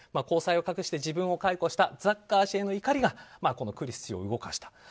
交際を隠して自分を解雇したザッカー氏への怒りがクリス氏を動かした。